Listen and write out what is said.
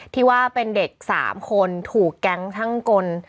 ที่ว่าเป็นเด็ก๓คนถูกแก๊งช่างกล